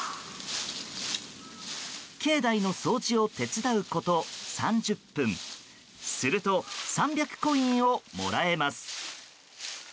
境内の掃除を手伝うこと３０分すると３００コインをもらえます。